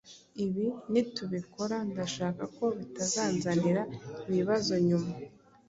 ibi nitubikora ndashaka ko bitazanzanira ibibazo nyuma